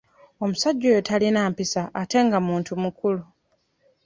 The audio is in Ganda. Omusajja oyo talina mpisa ate nga muntu mukulu.